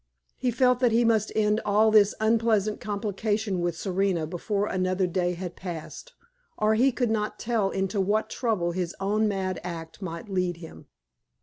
He felt that he must end all this unpleasant complication with Serena before another day had passed, or he could not tell into what trouble his own mad act might lead him.